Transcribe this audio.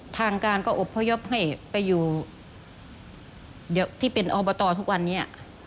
ทางการก็อบพยพให้ไปอยู่ที่เป็นอบตทุกวันนี้